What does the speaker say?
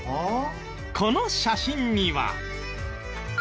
この写真には。